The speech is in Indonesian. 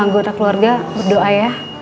anggota keluarga berdoa ya